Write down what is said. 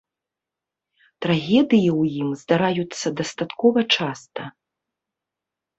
Трагедыі ў ім здараюцца дастаткова часта.